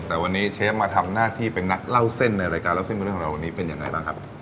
แต่วันนี้เชฟมาทำหน้าที่เป็นนักเล่าเส้นในรายการเล่าเส้นเป็นเรื่องของเราวันนี้เป็นยังไงบ้างครับ